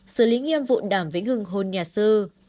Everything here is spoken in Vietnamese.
xử lý nghiêm vụ đàm vĩnh hương hôn nhà sư